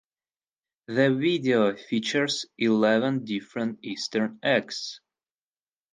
The video features eleven different Easter eggs.